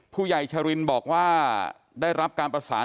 ผู้ใหญ่ชรินบอกว่าได้รับการประสาน